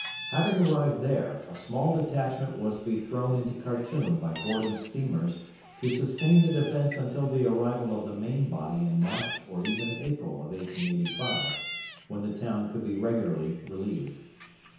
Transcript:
Having arrived there, a small detachment was to be thrown into Khartoum by Gordon's steamers to sustain the defence until the arrival of the main body in March or even April of 1885, when the town could be regularly relieved.